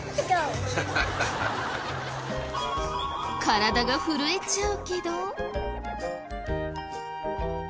体が震えちゃうけど。